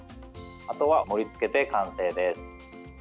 あとは盛りつけて完成です。